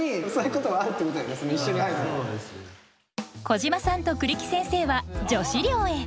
小島さんと栗木先生は女子寮へ。